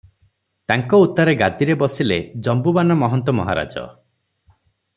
ତାଙ୍କ ଉତ୍ତାରେ ଗାଦିରେ ବସିଲେ ଜମ୍ବୁବାନ୍ ମହନ୍ତ ମହାରାଜ ।